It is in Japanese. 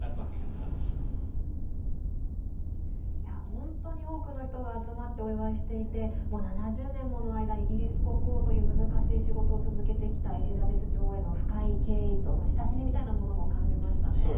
本当に多くの人が集まってお祝いしていてもう７０年もの間イギリス国王という難しい仕事を続けてきたエリザベス女王への深い敬意と親しみみたいなものも感じましたね。